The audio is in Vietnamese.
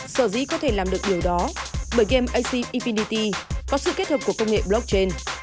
sở dĩ có thể làm được điều đó bởi game ace ept có sự kết hợp của công nghệ blockchain